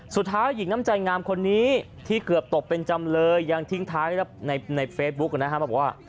สุดท้ายหญิงน้ำใจงามคนนี้ที่เกือบตกเป็นจำเลยยังทิ้งท้ายในเฟซบุ๊กนะฮะมาบอกว่า